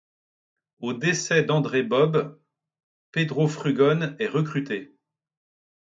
Au décès d'Andrés Bobe, Pedro Frugone est recruté.